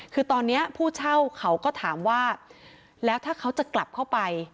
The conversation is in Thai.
คือตอนนี้ผู้เช่าเขาก็ถามว่าแล้วถ้าเขาจะกลับเข้าไป